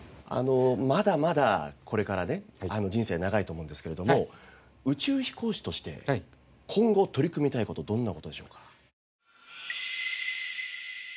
まだまだこれからね人生は長いと思うんですけれども宇宙飛行士として今後取り組みたい事はどんな事でしょうか？